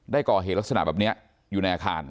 ได้ก่อเหตุลักษณะแบบนี้อยู่ในอาคาร